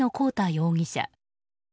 容疑者。